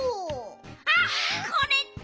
あっこれって。